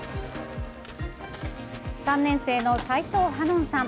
３年生の齋藤波音さん。